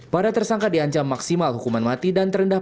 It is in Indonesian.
para tersangka diancam maksimal hukuman mati dan terendah